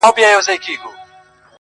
o چي نه لري هلک، هغه کور د اور لايق.